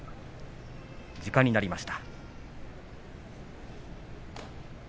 時間になりました。